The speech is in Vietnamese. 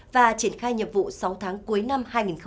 và triển khai nhiệm vụ sáu tháng cuối năm hai nghìn một mươi tám